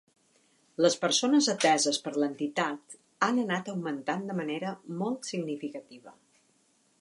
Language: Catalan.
Les persones ateses per l'entitat han anat augmentant de manera molt significativa.